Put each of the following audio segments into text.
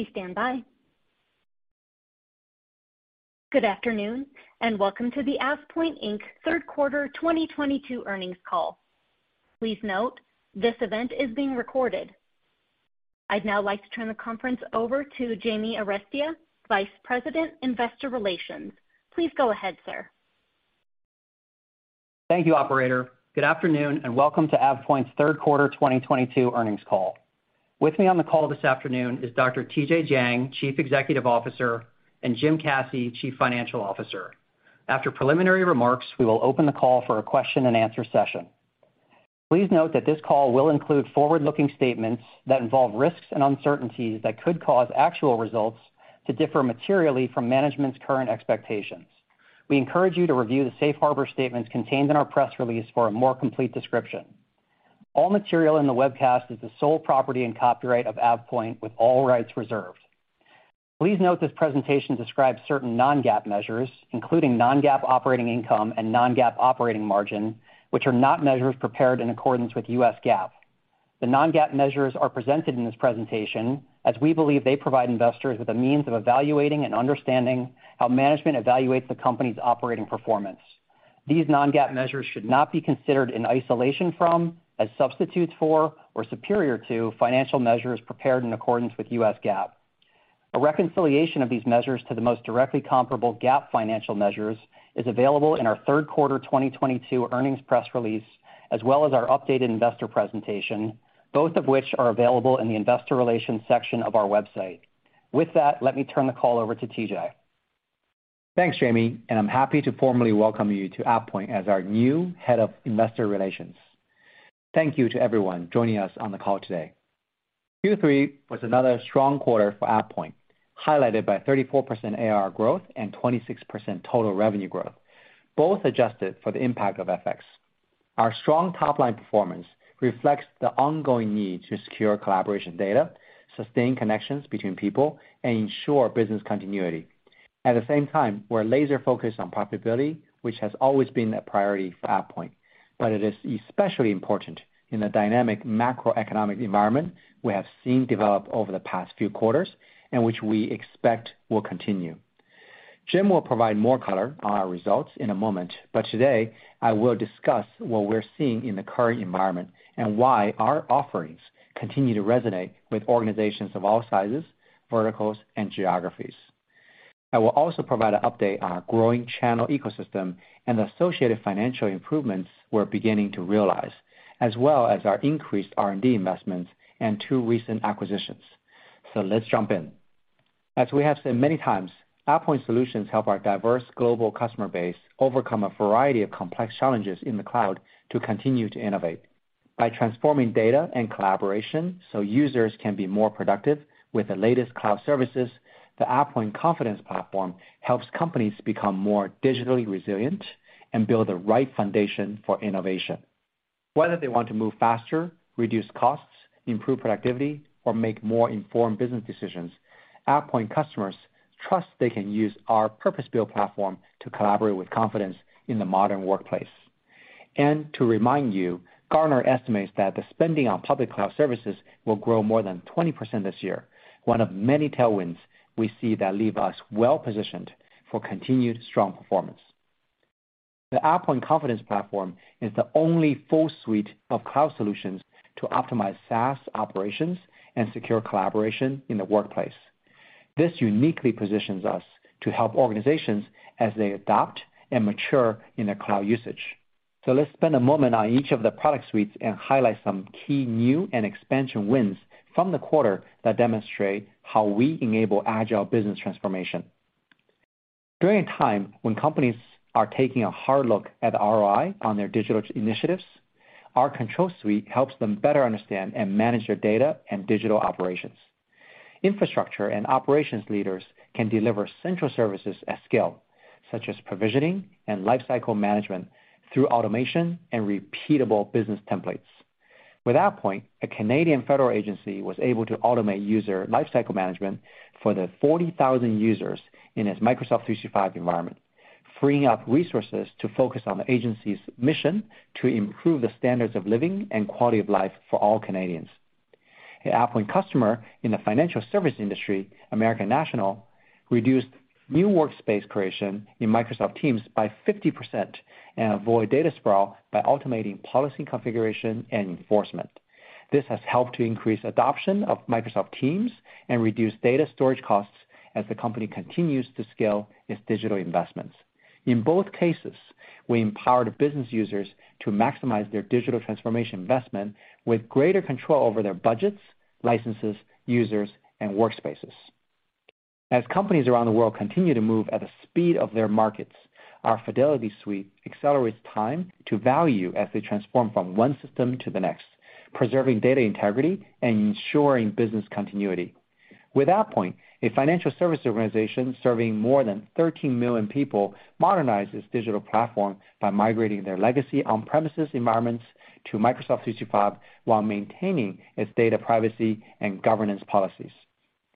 Please stand by. Good afternoon, and welcome to the AvePoint, Inc. third quarter 2022 earnings call. Please note, this event is being recorded. I'd now like to turn the conference over to Jamie Arestia, Vice President, Investor Relations. Please go ahead, sir. Thank you, operator. Good afternoon, and welcome to AvePoint's third quarter 2022 earnings call. With me on the call this afternoon is Dr. TJ Jiang, Chief Executive Officer, and Jim Caci, Chief Financial Officer. After preliminary remarks, we will open the call for a question and answer session. Please note that this call will include forward-looking statements that involve risks and uncertainties that could cause actual results to differ materially from management's current expectations. We encourage you to review the safe harbor statements contained in our press release for a more complete description. All material in the webcast is the sole property and copyright of AvePoint, with all rights reserved. Please note this presentation describes certain non-GAAP measures, including non-GAAP operating income and non-GAAP operating margin, which are not measures prepared in accordance with U.S. GAAP. The non-GAAP measures are presented in this presentation as we believe they provide investors with a means of evaluating and understanding how management evaluates the company's operating performance. These non-GAAP measures should not be considered in isolation from, as substitutes for, or superior to financial measures prepared in accordance with U.S. GAAP. A reconciliation of these measures to the most directly comparable GAAP financial measures is available in our third quarter 2022 earnings press release, as well as our updated investor presentation, both of which are available in the investor relations section of our website. With that, let me turn the call over to TJ. Thanks, Jamie, and I'm happy to formally welcome you to AvePoint as our new Head of Investor Relations. Thank you to everyone joining us on the call today. Q3 was another strong quarter for AvePoint, highlighted by 34% AR growth and 26% total revenue growth, both adjusted for the impact of FX. Our strong top-line performance reflects the ongoing need to secure collaboration data, sustain connections between people, and ensure business continuity. At the same time, we're laser focused on profitability, which has always been a priority for AvePoint, but it is especially important in a dynamic macroeconomic environment we have seen develop over the past few quarters and which we expect will continue. Jim will provide more color on our results in a moment, but today I will discuss what we're seeing in the current environment and why our offerings continue to resonate with organizations of all sizes, verticals, and geographies. I will also provide an update on our growing channel ecosystem and the associated financial improvements we're beginning to realize, as well as our increased R&D investments and two recent acquisitions. Let's jump in. As we have said many times, AvePoint solutions help our diverse global customer base overcome a variety of complex challenges in the cloud to continue to innovate. By transforming data and collaboration so users can be more productive with the latest cloud services, the AvePoint Confidence Platform helps companies become more digitally resilient and build the right foundation for innovation. Whether they want to move faster, reduce costs, improve productivity, or make more informed business decisions, AvePoint customers trust they can use our purpose-built platform to collaborate with confidence in the modern workplace. To remind you, Gartner estimates that the spending on public cloud services will grow more than 20% this year, one of many tailwinds we see that leave us well-positioned for continued strong performance. The AvePoint Confidence Platform is the only full suite of cloud solutions to optimize SaaS operations and secure collaboration in the workplace. This uniquely positions us to help organizations as they adopt and mature in their cloud usage. Let's spend a moment on each of the product suites and highlight some key new and expansion wins from the quarter that demonstrate how we enable agile business transformation. During a time when companies are taking a hard look at ROI on their digital initiatives, our Control Suite helps them better understand and manage their data and digital operations. Infrastructure and operations leaders can deliver central services at scale, such as provisioning and lifecycle management through automation and repeatable business templates. With AvePoint, a Canadian federal agency was able to automate user lifecycle management for the 40,000 users in its Microsoft 365 environment, freeing up resources to focus on the agency's mission to improve the standards of living and quality of life for all Canadians. An AvePoint customer in the financial service industry, American National, reduced new workspace creation in Microsoft Teams by 50% and avoided data sprawl by automating policy configuration and enforcement. This has helped to increase adoption of Microsoft Teams and reduce data storage costs as the company continues to scale its digital investments. In both cases, we empowered business users to maximize their digital transformation investment with greater control over their budgets, licenses, users, and workspaces. As companies around the world continue to move at the speed of their markets, our Fidelity Suite accelerates time to value as they transform from one system to the next, preserving data integrity and ensuring business continuity. With AvePoint, a financial service organization serving more than 13 million people modernized its digital platform by migrating their legacy on-premises environments to Microsoft 365 while maintaining its data privacy and governance policies.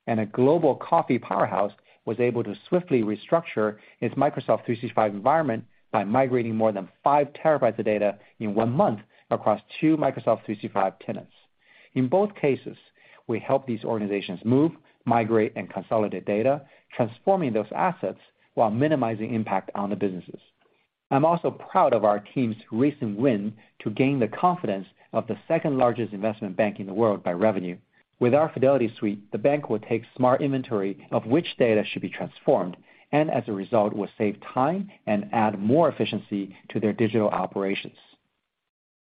A global coffee powerhouse was able to swiftly restructure its Microsoft 365 environment by migrating more than 5 TB of data in one month across two Microsoft 365 tenants. In both cases, we help these organizations move, migrate, and consolidate data, transforming those assets while minimizing impact on the businesses. I'm also proud of our team's recent win to gain the confidence of the second-largest investment bank in the world by revenue. With our Fidelity Suite, the bank will take smart inventory of which data should be transformed, and as a result, will save time and add more efficiency to their digital operations.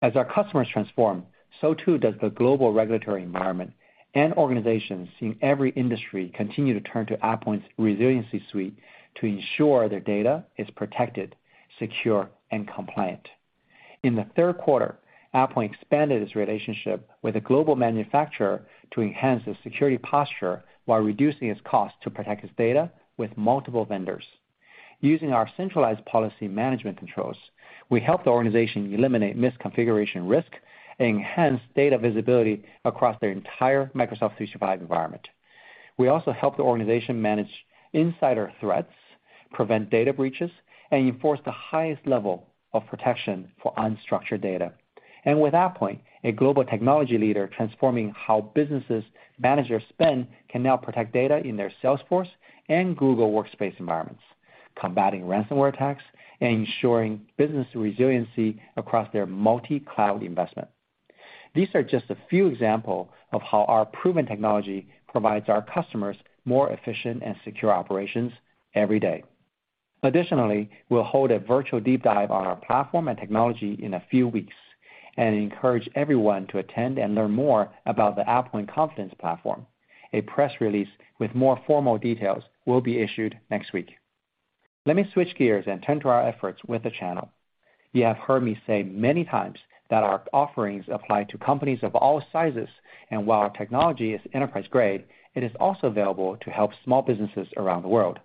As our customers transform, so too does the global regulatory environment, and organizations in every industry continue to turn to AvePoint's Resilience Suite to ensure their data is protected, secure, and compliant. In the third quarter, AvePoint expanded its relationship with a global manufacturer to enhance the security posture while reducing its cost to protect its data with multiple vendors. Using our centralized policy management controls, we helped the organization eliminate misconfiguration risk, enhance data visibility across their entire Microsoft 365 environment. We also helped the organization manage insider threats, prevent data breaches, and enforce the highest level of protection for unstructured data. With AvePoint, a global technology leader transforming how businesses manage their spend can now protect data in their Salesforce and Google Workspace environments, combating ransomware attacks and ensuring business resiliency across their multi-cloud investment. These are just a few example of how our proven technology provides our customers more efficient and secure operations every day. Additionally, we'll hold a virtual deep dive on our platform and technology in a few weeks, and encourage everyone to attend and learn more about the AvePoint Confidence Platform. A press release with more formal details will be issued next week. Let me switch gears and turn to our efforts with the channel. You have heard me say many times that our offerings apply to companies of all sizes, and while our technology is enterprise-grade, it is also available to help small businesses around the world.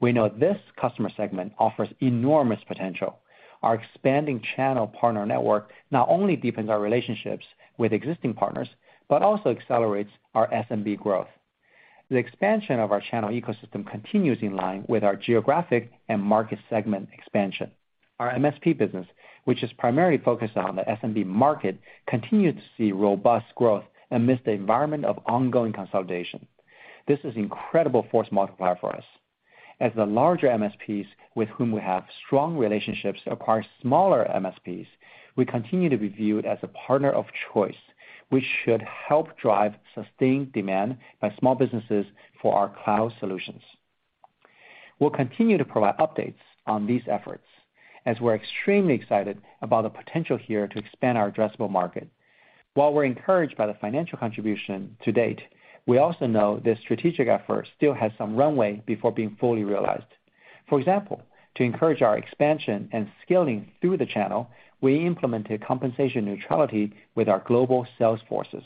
We know this customer segment offers enormous potential. Our expanding channel partner network not only deepens our relationships with existing partners, but also accelerates our SMB growth. The expansion of our channel ecosystem continues in line with our geographic and market segment expansion. Our MSP business, which is primarily focused on the SMB market, continued to see robust growth amidst the environment of ongoing consolidation. This is incredible force multiplier for us. As the larger MSPs with whom we have strong relationships acquire smaller MSPs, we continue to be viewed as a partner of choice, which should help drive sustained demand by small businesses for our cloud solutions. We'll continue to provide updates on these efforts, as we're extremely excited about the potential here to expand our addressable market. While we're encouraged by the financial contribution to date, we also know this strategic effort still has some runway before being fully realized. For example, to encourage our expansion and scaling through the channel, we implemented compensation neutrality with our global sales forces.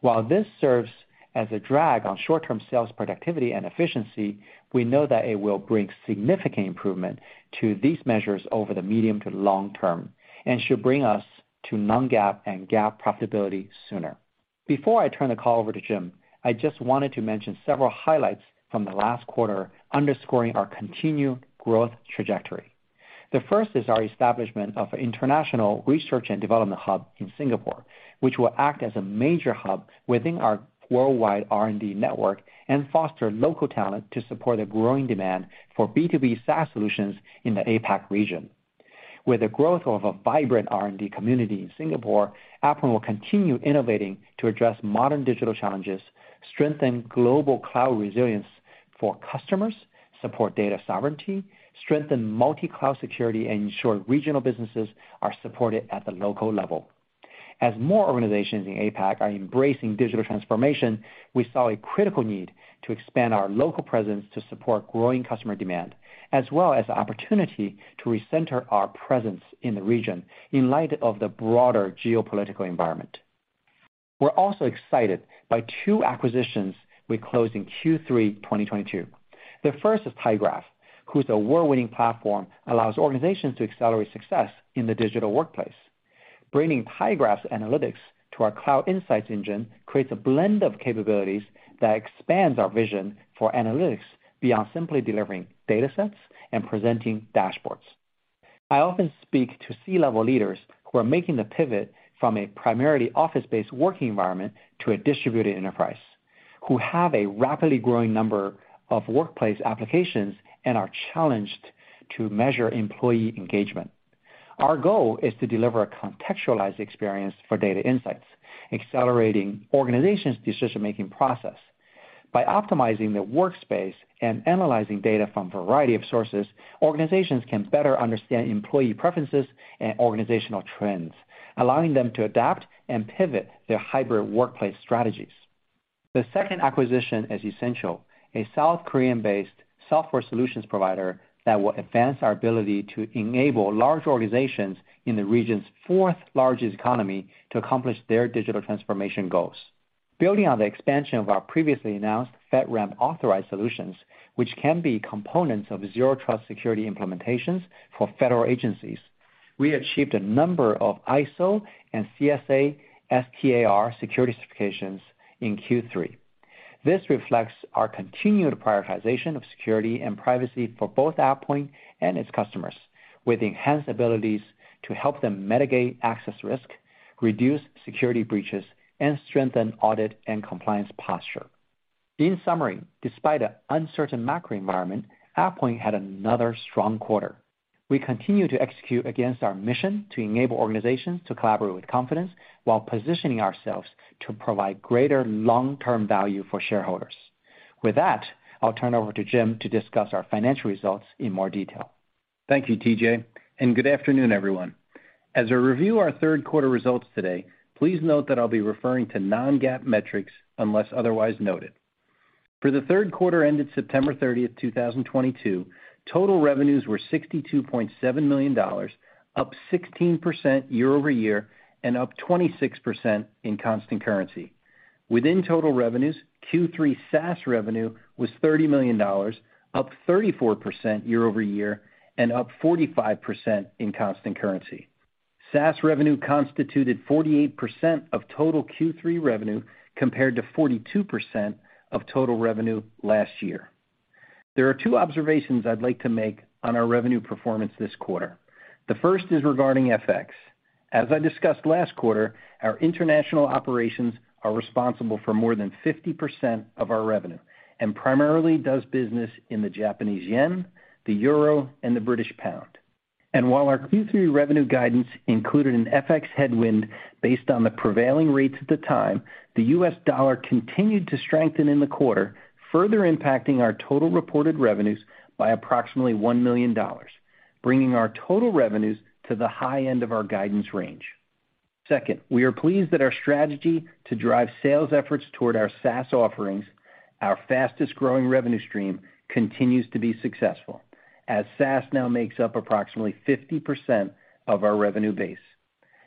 While this serves as a drag on short-term sales productivity and efficiency, we know that it will bring significant improvement to these measures over the medium to long term and should bring us to non-GAAP and GAAP profitability sooner. Before I turn the call over to Jim, I just wanted to mention several highlights from the last quarter underscoring our continued growth trajectory. The first is our establishment of international research and development hub in Singapore, which will act as a major hub within our worldwide R&D network and foster local talent to support the growing demand for B2B SaaS solutions in the APAC region. With the growth of a vibrant R&D community in Singapore, AvePoint will continue innovating to address modern digital challenges, strengthen global cloud resilience for customers, support data sovereignty, strengthen multi-cloud security, and ensure regional businesses are supported at the local level. As more organizations in APAC are embracing digital transformation, we saw a critical need to expand our local presence to support growing customer demand, as well as the opportunity to recenter our presence in the region in light of the broader geopolitical environment. We're also excited by two acquisitions we closed in Q3 2022. The first is tyGraph, whose award-winning platform allows organizations to accelerate success in the digital workplace. Bringing tyGraph's analytics to our cloud insights engine creates a blend of capabilities that expands our vision for analytics beyond simply delivering datasets and presenting dashboards. I often speak to C-level leaders who are making the pivot from a primarily office-based working environment to a distributed enterprise, who have a rapidly growing number of workplace applications and are challenged to measure employee engagement. Our goal is to deliver a contextualized experience for data insights, accelerating organizations' decision-making process. By optimizing the workspace and analyzing data from a variety of sources, organizations can better understand employee preferences and organizational trends, allowing them to adapt and pivot their hybrid workplace strategies. The second acquisition is Essential, a South Korean-based software solutions provider that will advance our ability to enable large organizations in the region's fourth-largest economy to accomplish their digital transformation goals. Building on the expansion of our previously announced FedRAMP authorized solutions, which can be components of zero trust security implementations for federal agencies, we achieved a number of ISO and CSA STAR security certifications in Q3. This reflects our continued prioritization of security and privacy for both AvePoint and its customers, with enhanced abilities to help them mitigate access risk, reduce security breaches, and strengthen audit and compliance posture. In summary, despite the uncertain macro environment, AvePoint had another strong quarter. We continue to execute against our mission to enable organizations to collaborate with confidence while positioning ourselves to provide greater long-term value for shareholders. With that, I'll turn over to Jim to discuss our financial results in more detail. Thank you, TJ, and good afternoon, everyone. As I review our third quarter results today, please note that I'll be referring to non-GAAP metrics unless otherwise noted. For the third quarter ended September 30, 2022, total revenues were $62.7 million, up 16% year-over-year and up 26% in constant currency. Within total revenues, Q3 SaaS revenue was $30 million, up 34% year-over-year and up 45% in constant currency. SaaS revenue constituted 48% of total Q3 revenue compared to 42% of total revenue last year. There are two observations I'd like to make on our revenue performance this quarter. The first is regarding FX. As I discussed last quarter, our international operations are responsible for more than 50% of our revenue and primarily does business in the Japanese yen, the euro, and the British pound. While our Q3 revenue guidance included an FX headwind based on the prevailing rates at the time, the US dollar continued to strengthen in the quarter, further impacting our total reported revenues by approximately $1 million, bringing our total revenues to the high end of our guidance range. Second, we are pleased that our strategy to drive sales efforts toward our SaaS offerings, our fastest-growing revenue stream, continues to be successful, as SaaS now makes up approximately 50% of our revenue base.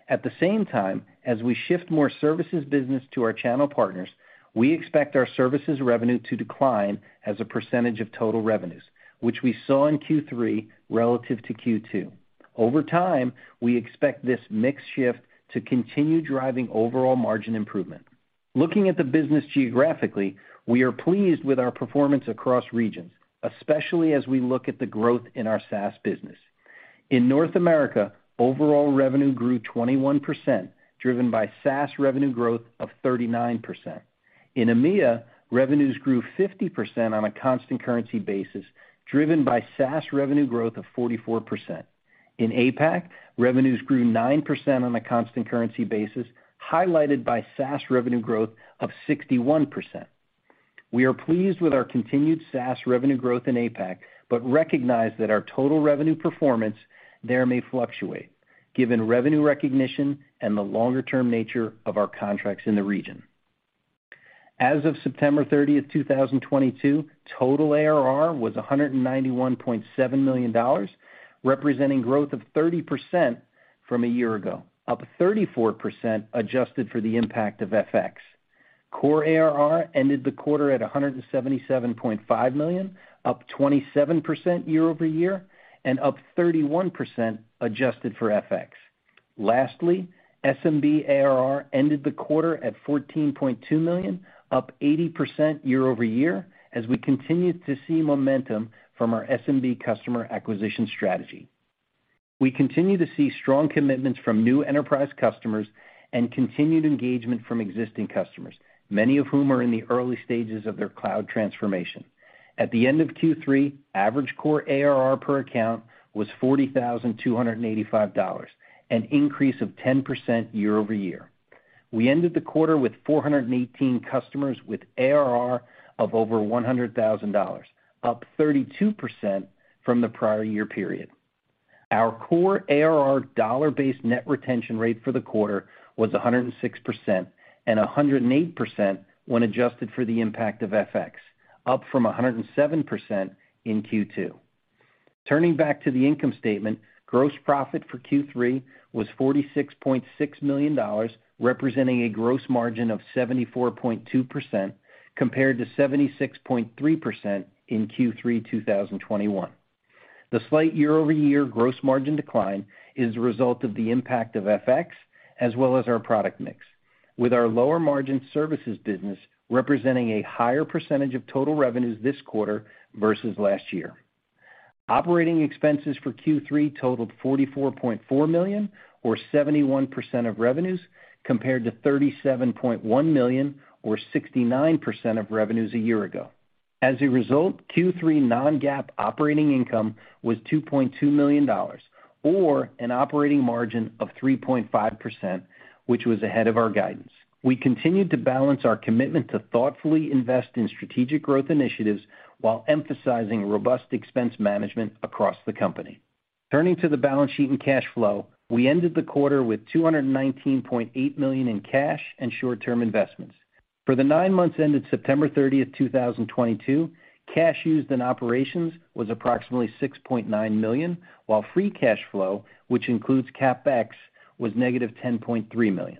At the same time, as we shift more services business to our channel partners, we expect our services revenue to decline as a percentage of total revenues, which we saw in Q3 relative to Q2. Over time, we expect this mix shift to continue driving overall margin improvement. Looking at the business geographically, we are pleased with our performance across regions, especially as we look at the growth in our SaaS business. In North America, overall revenue grew 21%, driven by SaaS revenue growth of 39%. In EMEA, revenues grew 50% on a constant currency basis, driven by SaaS revenue growth of 44%. In APAC, revenues grew 9% on a constant currency basis, highlighted by SaaS revenue growth of 61%. We are pleased with our continued SaaS revenue growth in APAC, but recognize that our total revenue performance there may fluctuate given revenue recognition and the longer-term nature of our contracts in the region. As of September 30th, 2022, total ARR was $191.7 million, representing growth of 30% from a year ago, up 34% adjusted for the impact of FX. Core ARR ended the quarter at $177.5 million, up 27% year-over-year, and up 31% adjusted for FX. Lastly, SMB ARR ended the quarter at $14.2 million, up 80% year-over-year, as we continued to see momentum from our SMB customer acquisition strategy. We continue to see strong commitments from new enterprise customers and continued engagement from existing customers, many of whom are in the early stages of their cloud transformation. At the end of Q3, average core ARR per account was $40,285, an increase of 10% year-over-year. We ended the quarter with 418 customers with ARR of over $100,000, up 32% from the prior year period. Our core ARR dollar-based net retention rate for the quarter was 106%, and 108% when adjusted for the impact of FX, up from 107% in Q2. Turning back to the income statement, gross profit for Q3 was $46.6 million, representing a gross margin of 74.2% compared to 76.3% in Q3 2021. The slight year-over-year gross margin decline is the result of the impact of FX as well as our product mix, with our lower margin services business representing a higher percentage of total revenues this quarter versus last year. Operating expenses for Q3 totaled $44.4 million or 71% of revenues, compared to $37.1 million or 69% of revenues a year ago. As a result, Q3 non-GAAP operating income was $2.2 million or an operating margin of 3.5%, which was ahead of our guidance. We continued to balance our commitment to thoughtfully invest in strategic growth initiatives while emphasizing robust expense management across the company. Turning to the balance sheet and cash flow, we ended the quarter with $219.8 million in cash and short-term investments. For the nine months ended September 30, 2022, cash used in operations was approximately $6.9 million, while free cash flow, which includes CapEx, was negative $10.3 million.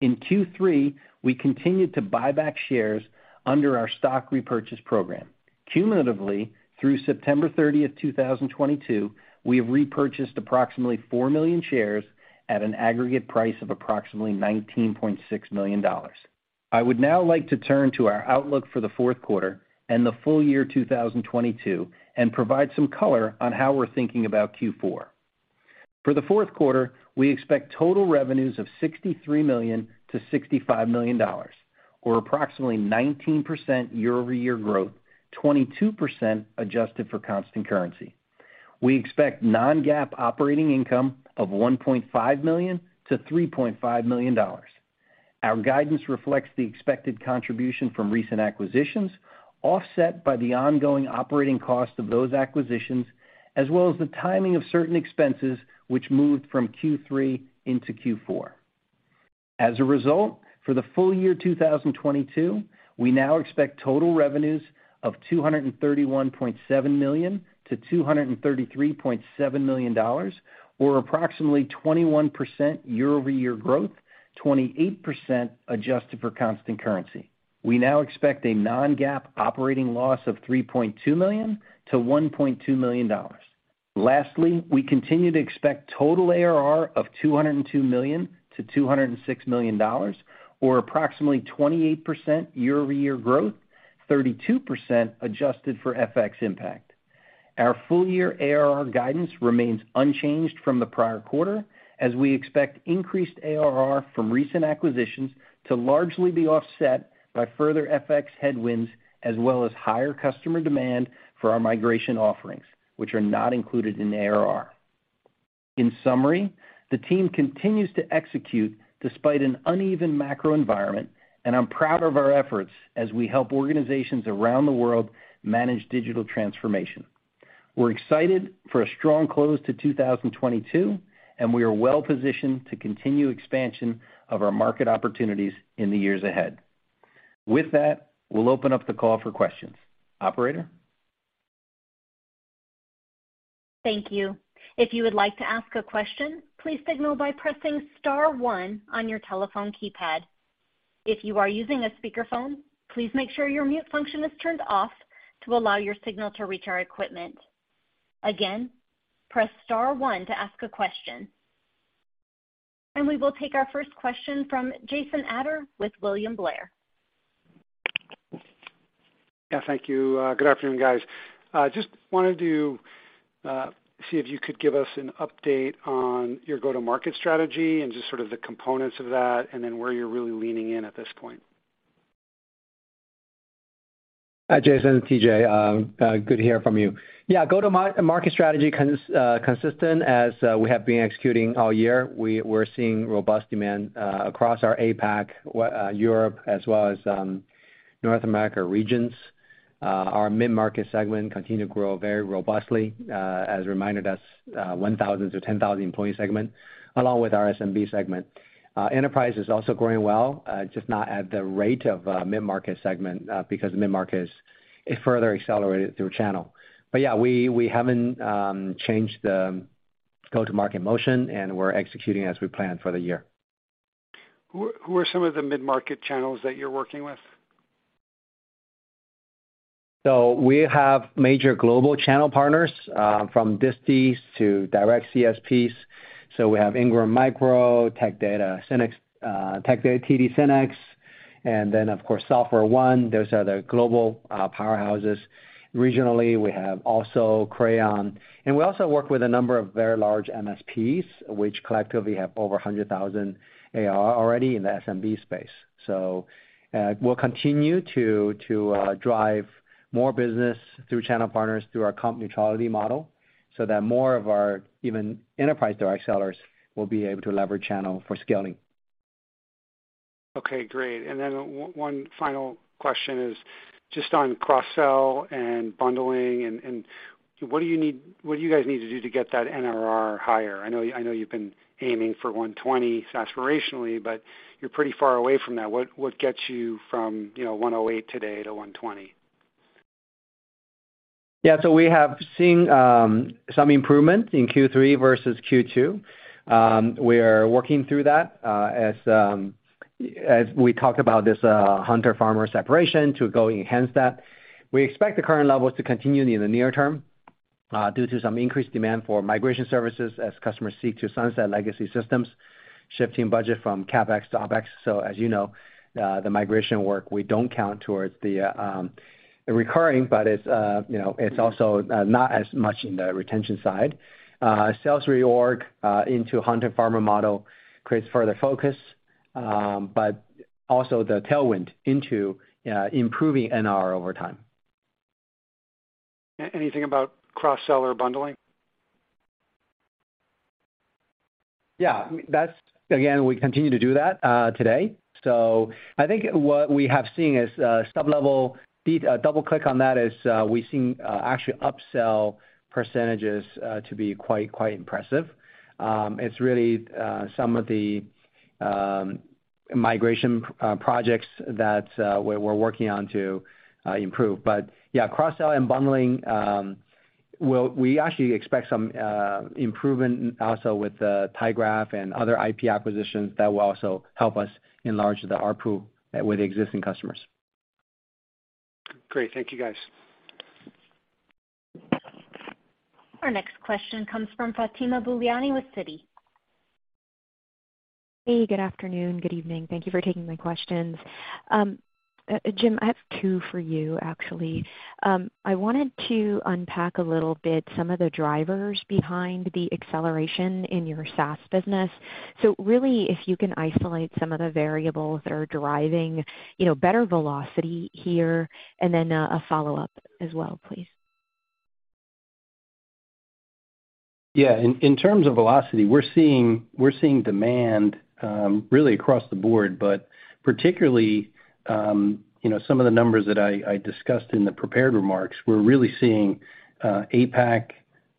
In Q3, we continued to buy back shares under our stock repurchase program. Cumulatively, through September 30, 2022, we have repurchased approximately 4 million shares at an aggregate price of approximately $19.6 million. I would now like to turn to our outlook for the fourth quarter and the full year 2022 and provide some color on how we're thinking about Q4. For the fourth quarter, we expect total revenues of $63 million-$65 million, or approximately 19% year-over-year growth, 22% adjusted for constant currency. We expect non-GAAP operating income of $1.5 million-$3.5 million. Our guidance reflects the expected contribution from recent acquisitions, offset by the ongoing operating costs of those acquisitions, as well as the timing of certain expenses which moved from Q3 into Q4. As a result, for the full year 2022, we now expect total revenues of $231.7 million-$233.7 million or approximately 21% year-over-year growth, 28% adjusted for constant currency. We now expect a non-GAAP operating loss of $3.2 million-$1.2 million. Lastly, we continue to expect total ARR of $202 million-$206 million or approximately 28% year-over-year growth, 32% adjusted for FX impact. Our full year ARR guidance remains unchanged from the prior quarter as we expect increased ARR from recent acquisitions to largely be offset by further FX headwinds as well as higher customer demand for our migration offerings, which are not included in the ARR. In summary, the team continues to execute despite an uneven macro environment, and I'm proud of our efforts as we help organizations around the world manage digital transformation. We're excited for a strong close to 2022, and we are well-positioned to continue expansion of our market opportunities in the years ahead. With that, we'll open up the call for questions. Operator? Thank you. If you would like to ask a question, please signal by pressing star one on your telephone keypad. If you are using a speakerphone, please make sure your mute function is turned off to allow your signal to reach our equipment. Again, press star one to ask a question. We will take our first question from Jason Ader with William Blair. Yeah, thank you. Good afternoon, guys. Just wanted to see if you could give us an update on your go-to-market strategy and just sort of the components of that, and then where you're really leaning in at this point. Hi, Jason, it's TJ. Good to hear from you. Yeah, go-to-market strategy consistent as we have been executing all year. We're seeing robust demand across our APAC, Europe, as well as North America regions. Our mid-market segment continue to grow very robustly. As a reminder, that's 1,000-10,000 employee segment along with our SMB segment. Enterprise is also growing well, just not at the rate of mid-market segment, because mid-market is further accelerated through channel. Yeah, we haven't changed the go-to-market motion, and we're executing as we planned for the year. Who are some of the mid-market channels that you're working with? We have major global channel partners from distis to direct CSPs. We have Ingram Micro, TD SYNNEX, and then, of course, SoftwareOne. Those are the global powerhouses. Regionally, we have also Crayon, and we also work with a number of very large MSPs, which collectively have over 100,000 AR already in the SMB space. We'll continue to drive more business through channel partners through our comp neutrality model so that more of our even enterprise direct sellers will be able to leverage channel for scaling. Okay, great. One final question is just on cross-sell and bundling and what do you guys need to do to get that NRR higher? I know you've been aiming for 120% aspirationally, but you're pretty far away from that. What gets you from, you know, 108% today to 120%? Yeah. We have seen some improvement in Q3 versus Q2. We are working through that, as we talked about this, hunter-farmer separation to go enhance that. We expect the current levels to continue in the near term, due to some increased demand for migration services as customers seek to sunset legacy systems, shifting budget from CapEx to OpEx. As you know, the migration work, we don't count towards the recurring, but it's, you know, it's also not as much in the retention side. Sales reorg into hunter-farmer model creates further focus, but also the tailwind into improving NRR over time. Anything about cross-sell or bundling? Again, we continue to do that today. I think what we have seen is double-click on that is we've seen actually upsell percentages to be quite impressive. It's really some of the migration projects that we're working on to improve. Yeah, cross-sell and bundling, we actually expect some improvement also with tyGraph and other IP acquisitions that will also help us enlarge the ARPU with existing customers. Great. Thank you, guys. Our next question comes from Fatima Boolani with Citi. Hey, good afternoon, good evening. Thank you for taking my questions. Jim, I have two for you actually. I wanted to unpack a little bit some of the drivers behind the acceleration in your SaaS business. Really, if you can isolate some of the variables that are driving, you know, better velocity here, and then, a follow-up as well, please. Yeah. In terms of velocity, we're seeing demand really across the board, but particularly, you know, some of the numbers that I discussed in the prepared remarks, we're really seeing APAC,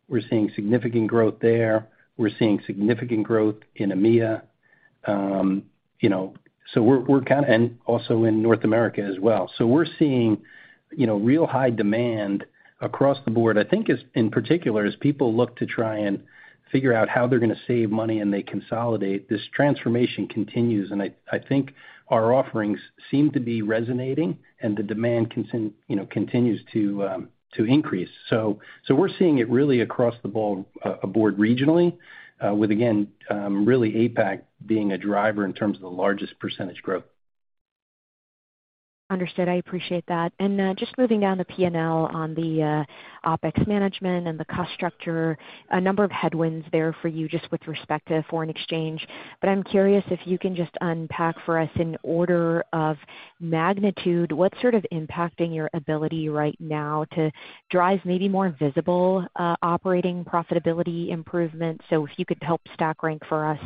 we're seeing significant growth there. We're seeing significant growth in EMEA. You know, and also in North America as well. We're seeing, you know, real high demand across the board. I think it's, in particular, as people look to try and figure out how they're gonna save money and they consolidate, this transformation continues, and I think our offerings seem to be resonating and the demand, you know, continues to increase. We're seeing it really across the board, abroad regionally, with again, really APAC being a driver in terms of the largest percentage growth. Understood. I appreciate that. Just moving down the P&L on the OpEx management and the cost structure, a number of headwinds there for you just with respect to foreign exchange. I'm curious if you can just unpack for us in order of magnitude what's sort of impacting your ability right now to drive maybe more visible operating profitability improvements. If you could help stack rank for us,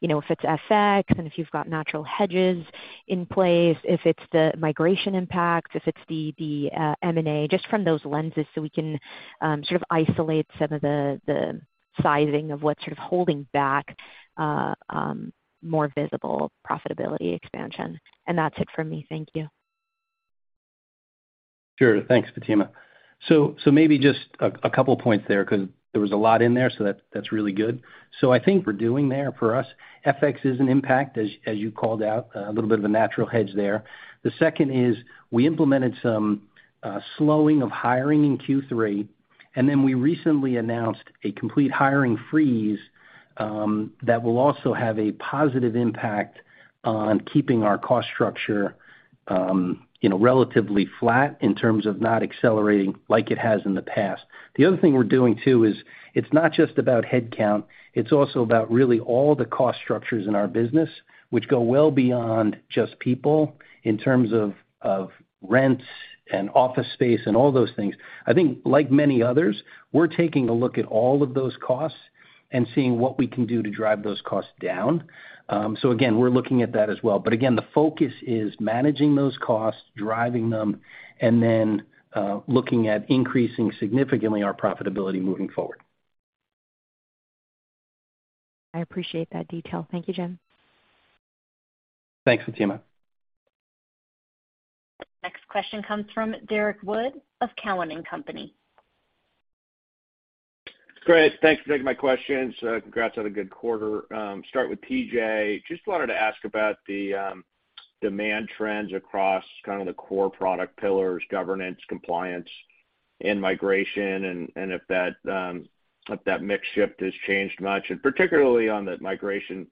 you know, if it's FX, and if you've got natural hedges in place, if it's the migration impact, if it's the M&A, just from those lenses so we can sort of isolate some of the sizing of what's sort of holding back more visible profitability expansion. That's it for me. Thank you. Sure. Thanks, Fatima. Maybe just a couple points there 'cause there was a lot in there, so that's really good. I think we're doing that for us. FX has an impact, as you called out, a little bit of a natural hedge there. The second is we implemented some slowing of hiring in Q3, and then we recently announced a complete hiring freeze that will also have a positive impact on keeping our cost structure, you know, relatively flat in terms of not accelerating like it has in the past. The other thing we're doing too is it's not just about headcount, it's also about really all the cost structures in our business, which go well beyond just people in terms of rents and office space and all those things. I think like many others, we're taking a look at all of those costs and seeing what we can do to drive those costs down. Again, we're looking at that as well. Again, the focus is managing those costs, driving them, and then looking at increasing significantly our profitability moving forward. I appreciate that detail. Thank you, Jim. Thanks, Fatima. Next question comes from Derrick Wood of Cowen and Company. Great. Thanks for taking my questions. Congrats on a good quarter. Start with TJ. Just wanted to ask about the demand trends across kind of the core product pillars, governance, compliance and migration and if that mix shift has changed much. Particularly on the migration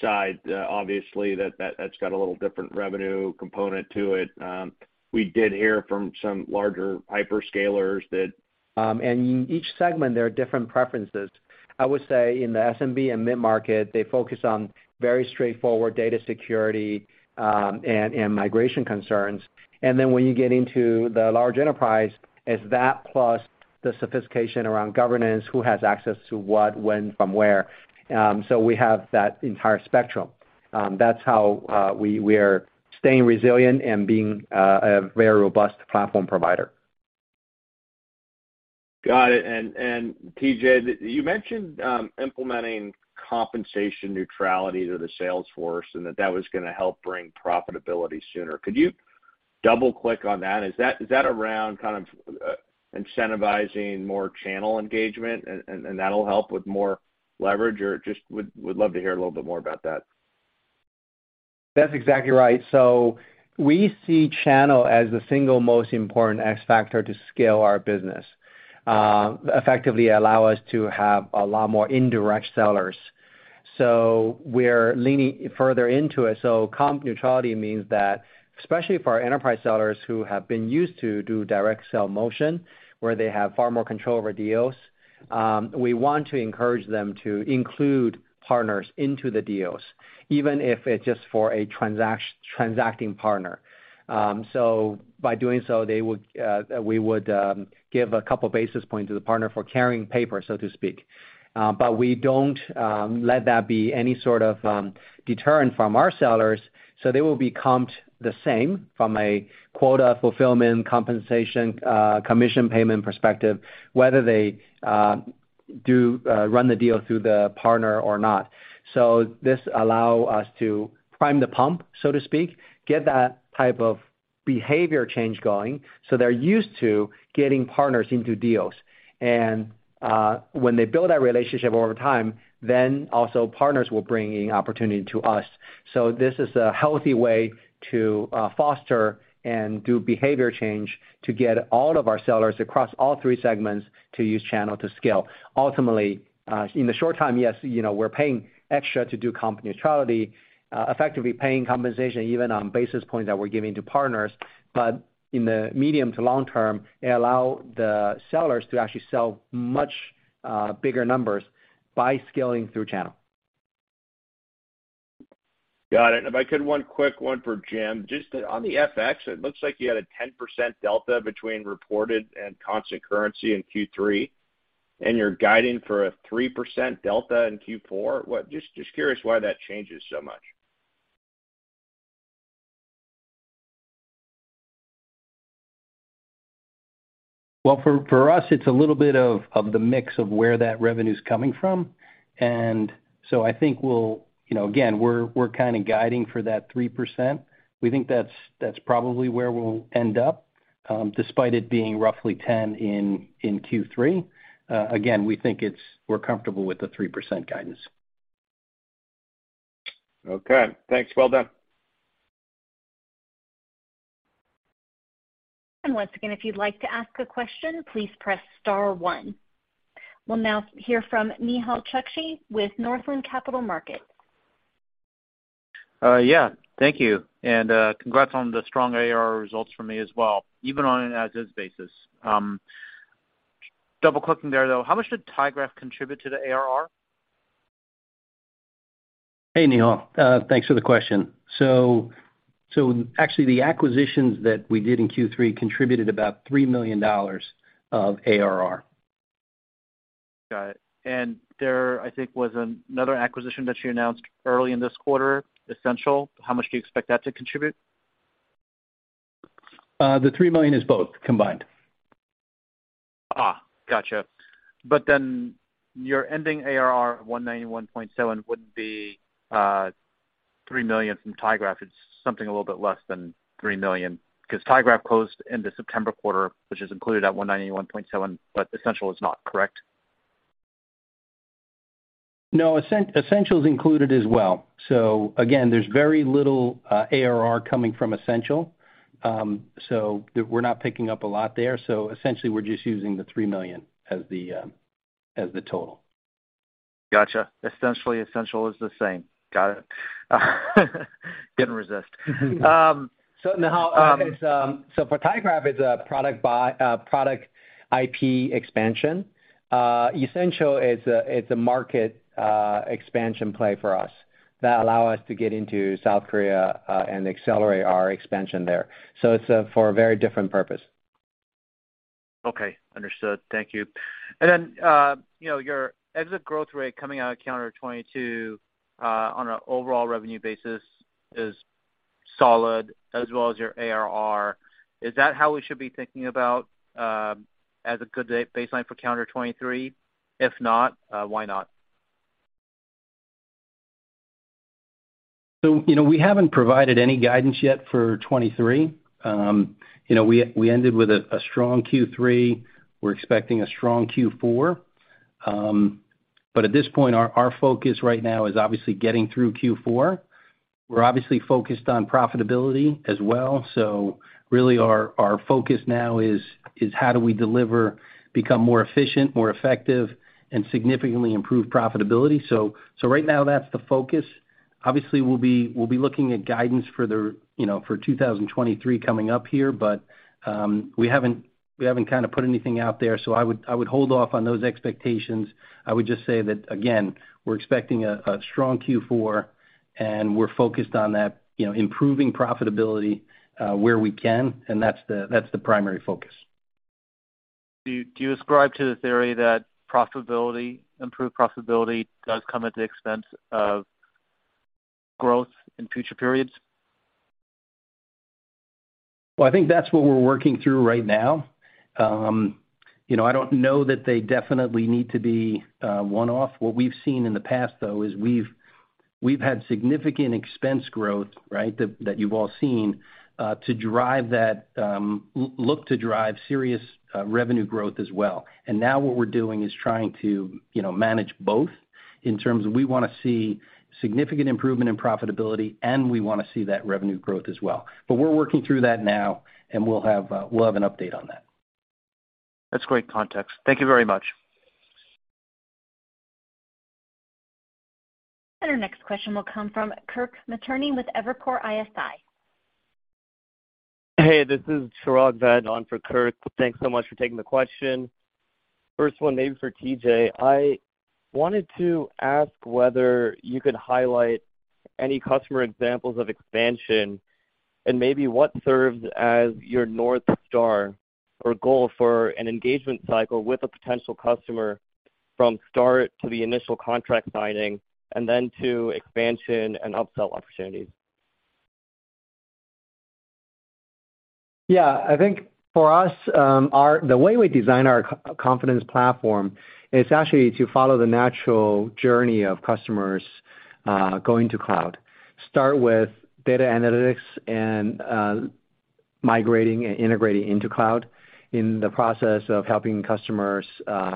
side, obviously that that's got a little different revenue component to it. We did hear from some larger hyperscalers that In each segment, there are different preferences. I would say in the SMB and mid-market, they focus on very straightforward data security, and migration concerns. When you get into the large enterprise, it's that plus the sophistication around governance, who has access to what, when, from where. We have that entire spectrum. That's how we're staying resilient and being a very robust platform provider. Got it. TJ, you mentioned implementing compensation neutrality to the sales force and that was gonna help bring profitability sooner. Could you double-click on that? Is that around kind of incentivizing more channel engagement and that'll help with more leverage? Or just would love to hear a little bit more about that. That's exactly right. We see channel as the single most important X factor to scale our business effectively allow us to have a lot more indirect sellers. We're leaning further into it. Comp neutrality means that, especially for our enterprise sellers who have been used to do direct sell motion, where they have far more control over deals, we want to encourage them to include partners into the deals, even if it's just for a transacting partner. By doing so, we would give a couple basis points to the partner for carrying paper, so to speak. We don't let that be any sort of deterrent from our sellers, so they will be comped the same from a quota fulfillment, compensation, commission payment perspective, whether they do run the deal through the partner or not. This allow us to prime the pump, so to speak, get that type of behavior change going so they're used to getting partners into deals. When they build that relationship over time, then also partners will bring in opportunity to us. This is a healthy way to foster and do behavior change to get all of our sellers across all three segments to use channel to scale. Ultimately, in the short time, yes, you know, we're paying extra to do comp neutrality, effectively paying compensation even on basis points that we're giving to partners. In the medium to long term, it allow the sellers to actually sell much bigger numbers by scaling through channel. Got it. If I could, one quick one for Jim. Just on the FX, it looks like you had a 10% delta between reported and constant currency in Q3, and you're guiding for a 3% delta in Q4. Just curious why that changes so much. Well, for us, it's a little bit of the mix of where that revenue's coming from. I think we'll, you know, again, we're kinda guiding for that 3%. We think that's probably where we'll end up, despite it being roughly 10% in Q3. Again, we think we're comfortable with the 3% guidance. Okay. Thanks. Well done. Once again, if you'd like to ask a question, please press star one. We'll now hear from Nehal Chokshi with Northland Capital Markets. Yeah. Thank you, and congrats on the strong ARR results from me as well, even on an as-is basis. Double-clicking there, though, how much did tyGraph contribute to the ARR? Hey, Nehal. Thanks for the question. Actually, the acquisitions that we did in Q3 contributed about $3 million of ARR. Got it. There, I think, was another acquisition that you announced early in this quarter, Essential. How much do you expect that to contribute? $3 million is both combined. Gotcha. Your ending ARR of $191.7 million would be $3 million from tyGraph. It's something a little bit less than $3 million 'cause tyGraph closed in the September quarter, which is included at $191.7 million, but Essential is not, correct? No. Essential is included as well. Again, there's very little ARR coming from Essential, so we're not picking up a lot there. Essentially, we're just using the $3 million as the total. Gotcha. Essentially, Essential is the same. Got it. Couldn't resist. Nehal, for tyGraph, it's a product IP expansion. Essential is a market expansion play for us that allow us to get into South Korea and accelerate our expansion there. It's for a very different purpose. Okay. Understood. Thank you. You know, your exit growth rate coming out of Q4 2022 on an overall revenue basis is solid as well as your ARR. Is that how we should be thinking about as a good baseline for Q4 2023? If not, why not? You know, we haven't provided any guidance yet for 2023. You know, we ended with a strong Q3. We're expecting a strong Q4. At this point, our focus right now is obviously getting through Q4. We're obviously focused on profitability as well. Really our focus now is how do we deliver, become more efficient, more effective, and significantly improve profitability. Right now, that's the focus. Obviously, we'll be looking at guidance for 2023 coming up here, but we haven't kinda put anything out there. I would hold off on those expectations. I would just say that, again, we're expecting a strong Q4, and we're focused on that, you know, improving profitability where we can, and that's the primary focus. Do you ascribe to the theory that profitability, improved profitability does come at the expense of growth in future periods? Well, I think that's what we're working through right now. You know, I don't know that they definitely need to be one-off. What we've seen in the past, though, is we've had significant expense growth, right, that you've all seen to drive serious revenue growth as well. Now what we're doing is trying to, you know, manage both in terms of we wanna see significant improvement in profitability, and we wanna see that revenue growth as well. We're working through that now, and we'll have an update on that. That's great context. Thank you very much. Our next question will come from Kirk Materne with Evercore ISI. Hey, this is Chirag Ved on for Kirk. Thanks so much for taking the question. First one maybe for TJ. I wanted to ask whether you could highlight any customer examples of expansion and maybe what serves as your North Star or goal for an engagement cycle with a potential customer from start to the initial contract signing and then to expansion and upsell opportunities. Yeah. I think for us, the way we design our Confidence Platform is actually to follow the natural journey of customers going to cloud. Start with data analytics and migrating and integrating into cloud in the process of helping customers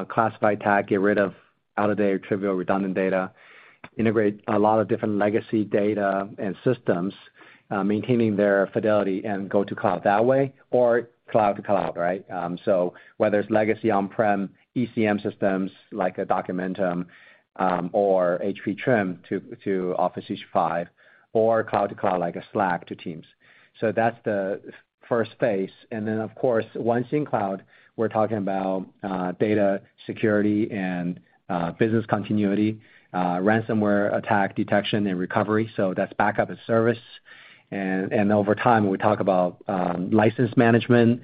classify, tag, get rid of out-of-date or trivial redundant data, integrate a lot of different legacy data and systems maintaining their fidelity and go to cloud that way or cloud to cloud, right? Whether it's legacy on-prem ECM systems like a Documentum or HP TRIM to Office 365 or cloud to cloud, like a Slack to Teams. That's the first phase. Of course, once in cloud, we're talking about data security and business continuity, ransomware attack detection and recovery, that's backup as service. Over time, we talk about license management,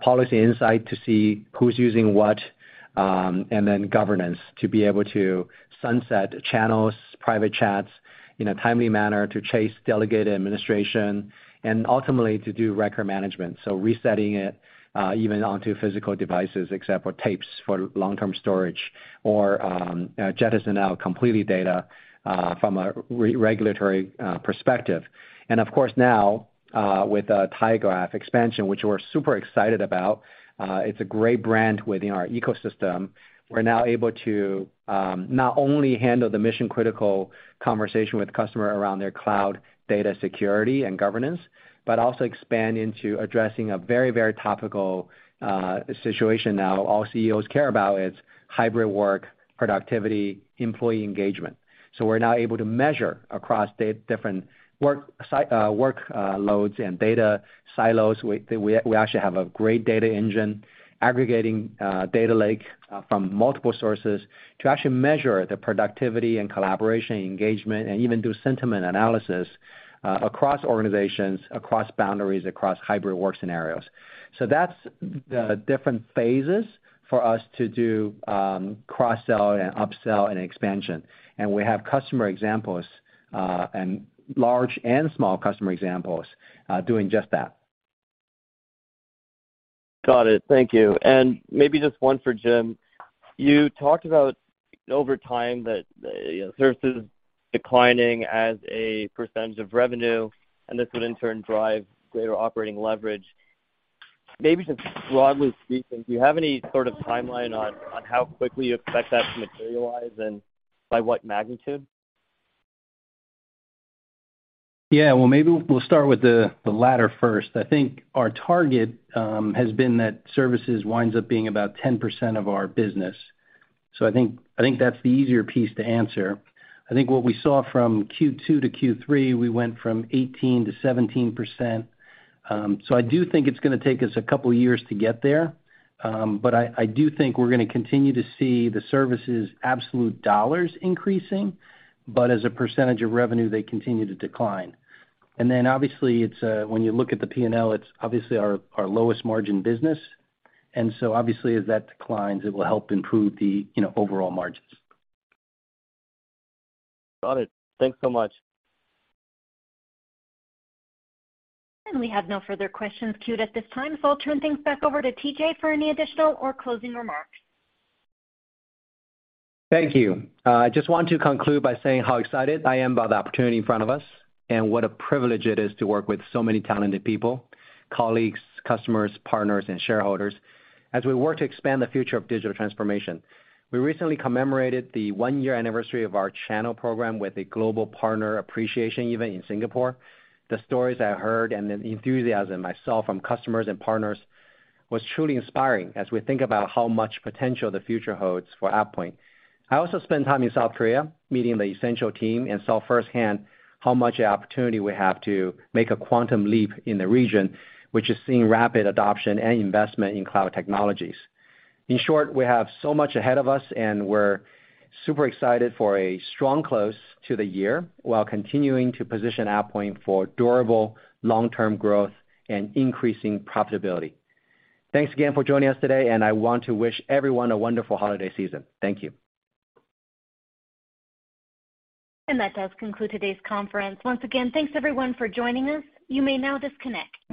policy insight to see who's using what, and then governance to be able to sunset channels, private chats in a timely manner to chase delegated administration and ultimately to do record management. Resetting it, even onto physical devices except for tapes for long-term storage or jettison out completely data from a regulatory perspective. Of course now, with tyGraph expansion, which we're super excited about, it's a great brand within our ecosystem. We're now able to not only handle the mission-critical conversation with the customer around their cloud data security and governance, but also expand into addressing a very, very topical situation now. All CEOs care about is hybrid work, productivity, employee engagement. We're now able to measure across different workloads and data silos. We actually have a great data engine aggregating data lake from multiple sources to actually measure the productivity and collaboration, engagement, and even do sentiment analysis across organizations, across boundaries, across hybrid work scenarios. That's the different phases for us to do cross-sell and upsell and expansion. We have customer examples and large and small customer examples doing just that. Got it. Thank you. Maybe just one for Jim. You talked about over time that, you know, services declining as a percentage of revenue, and this would in turn drive greater operating leverage. Maybe just broadly speaking, do you have any sort of timeline on how quickly you expect that to materialize and by what magnitude? Well, maybe we'll start with the latter first. I think our target has been that services winds up being about 10% of our business. I think that's the easier piece to answer. I think what we saw from Q2 to Q3, we went from 18%-17%. I do think it's gonna take us a couple years to get there. I do think we're gonna continue to see the services absolute dollars increasing, but as a percentage of revenue, they continue to decline. Then obviously, it's when you look at the P&L, it's obviously our lowest margin business. Obviously as that declines, it will help improve the overall margins. Got it. Thanks so much. We have no further questions queued at this time, so I'll turn things back over to TJ for any additional or closing remarks. Thank you. I just want to conclude by saying how excited I am about the opportunity in front of us and what a privilege it is to work with so many talented people, colleagues, customers, partners, and shareholders as we work to expand the future of digital transformation. We recently commemorated the one-year anniversary of our channel program with a global partner appreciation event in Singapore. The stories I heard and the enthusiasm I saw from customers and partners was truly inspiring as we think about how much potential the future holds for AvePoint. I also spent time in South Korea meeting the Essential team and saw firsthand how much opportunity we have to make a quantum leap in the region, which is seeing rapid adoption and investment in cloud technologies. In short, we have so much ahead of us, and we're super excited for a strong close to the year while continuing to position AvePoint for durable long-term growth and increasing profitability. Thanks again for joining us today, and I want to wish everyone a wonderful holiday season. Thank you. That does conclude today's conference. Once again, thanks everyone for joining us. You may now disconnect.